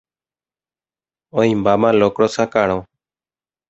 oĩmbáma locro sakarõ.